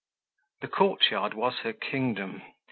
The courtyard was her kingdom.